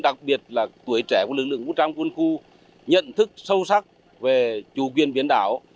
đặc biệt là tuổi trẻ của lực lượng vũ trang quân khu nhận thức sâu sắc về chủ quyền biển đảo